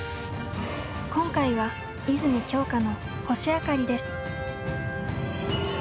今回は泉鏡花の「星あかり」です。